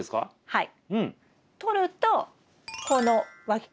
はい。